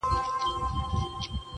مځکي او باغونه ئې درلودل